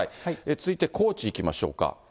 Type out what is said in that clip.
続いて高知いきましょうか。